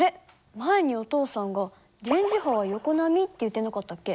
前にお父さんが電磁波は横波って言ってなかったっけ？